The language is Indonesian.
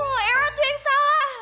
oh hera tuh yang salah